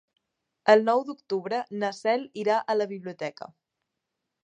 El nou d'octubre na Cel irà a la biblioteca.